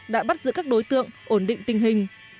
đã bắt giữ các đối tượng ổn định tình hình